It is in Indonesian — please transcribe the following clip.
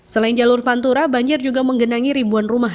selain jalur pantura banjir juga menggenangi ribuan rumah